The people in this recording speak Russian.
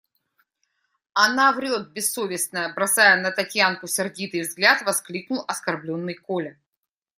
– Она врет, бессовестная! – бросая на Татьянку сердитый взгляд, воскликнул оскорбленный Коля.